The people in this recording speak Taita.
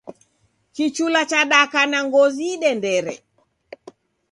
Kichula chadaka na ngozi idendere